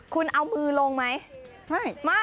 คุณเอามือลงไหม